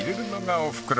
おふくろ